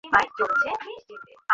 পদত্যাগ করবে, হাহ?